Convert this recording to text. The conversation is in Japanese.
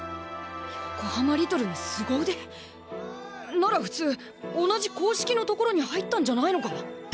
横浜リトルの凄腕⁉なら普通同じ硬式の所に入ったんじゃないのか